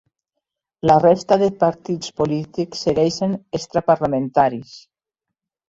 La resta de partits polítics segueixen extraparlamentaris.